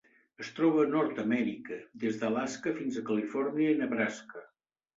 Es troba a Nord-amèrica: des d'Alaska fins a Califòrnia i Nebraska.